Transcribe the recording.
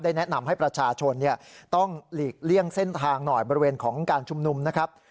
แนะนำให้ประชาชนต้องหลีกเลี่ยงเส้นทางหน่อยบริเวณของการชุมนุมนะครับ